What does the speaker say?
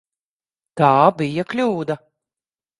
Tā bija kļūda.